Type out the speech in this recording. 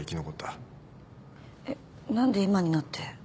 えっ何で今になって。